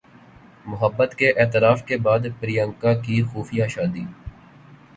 محبت کے اعتراف کے بعد پریانکا کی خفیہ شادی